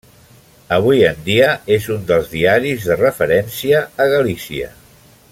Avui en dia és un dels diaris de referència a Galícia.